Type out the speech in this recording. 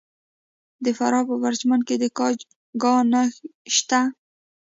د فراه په پرچمن کې د ګچ کان شته.